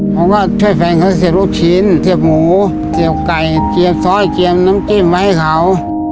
ผมก็ช่วยแฟนเขาเสียบลูกชิ้นเสียบหมูเจียบไก่เจียบซ้อยเจียมน้ำจิ้มไว้ให้เขา